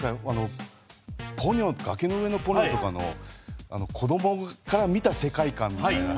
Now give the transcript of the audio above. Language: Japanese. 「崖の上のポニョ」とかの子どもから見た世界観みたいな。